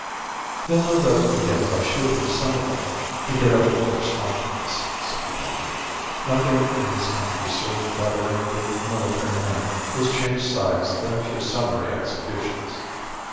"He'll no doubt begin by shooting some of them to get over the first awkwardness," said the doctor. "Nothing in this country serves better your military man who has changed sides than a few summary executions."